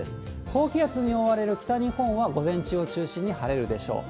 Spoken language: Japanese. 高気圧に覆われる北日本は午前中を中心に晴れるでしょう。